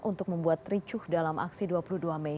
untuk membuat ricuh dalam aksi dua puluh dua mei